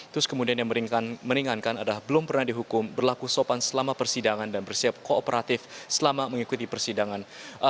terus kemudian yang meringankan adalah belum pernah dihukum berlaku sopan selama persidangan dan bersiap kooperatif selama mengikuti persidangan